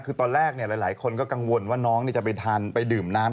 คือตอนแรกหลายคนก็กังวลว่าน้องจะไปทานไปดื่มน้ำ